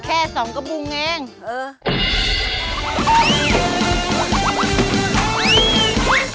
แค่สองกระบุงเองเออ